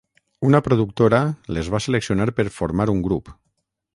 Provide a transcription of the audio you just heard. Una productora les va seleccionar per formar un grup.